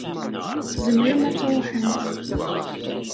Tzemrem ad tṛuḥem.